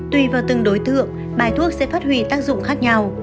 tùy vào từng đối tượng bài thuốc sẽ phát huy tác dụng khác nhau